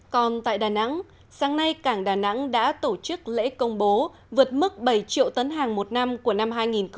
còn tại đà nẵng sáng nay cảng đà nẵng đã tổ chức lễ công bố vượt mức bảy triệu tấn hàng một năm của năm hai nghìn hai mươi